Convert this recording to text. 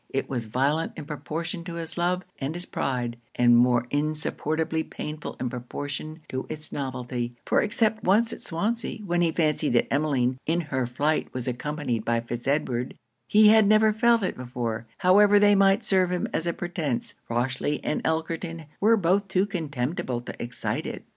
It was violent in proportion to his love and his pride, and more insupportably painful in proportion to it's novelty; for except once at Swansea, when he fancied that Emmeline in her flight was accompanied by Fitz Edward, he had never felt it before; however they might serve him as a pretence, Rochely and Elkerton were both too contemptible to excite it.